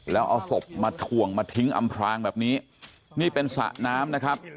แล้วเอาศพมาถ่วงมาทิ้งอำพรางแบบนี้นี่เป็นสระน้ำนะครับ